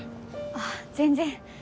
あっ全然。